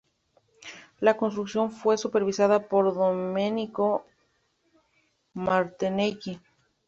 La construcción fue supervisada por Domenico Martinelli.